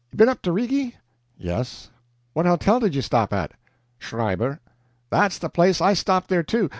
You been up the Rigi?" "Yes." "What hotel did you stop at?" "Schreiber." "That's the place! I stopped there too.